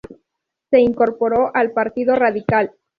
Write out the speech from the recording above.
Se incorporó al Partido Radical.